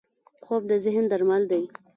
خوب د ذهن درمل دی